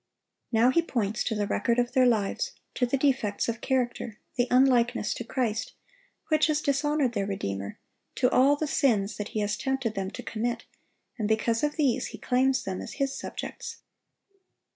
Now he points to the record of their lives, to the defects of character, the unlikeness to Christ, which has dishonored their Redeemer, to all the sins that he has tempted them to commit, and because of these he claims them as his subjects.